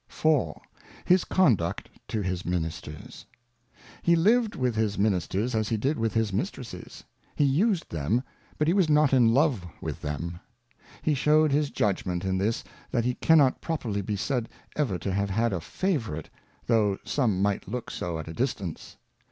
IV. His Conduct to his Ministers. HE lived with his Ministers as he did with his Mistresses ; he used them, but he was not in love with them. He shewed his Judgment in this, that he cannot properly be said ever to have had a Favourite, though some might look so at a distance.